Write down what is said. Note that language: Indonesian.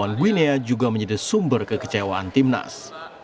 lawan winea juga menjadi sumber kekecewaan timnas